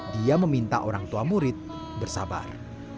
dia meminta orang tua murid bersabar